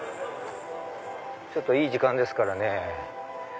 ちょっといい時間ですからね。